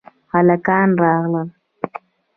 هلکان راغل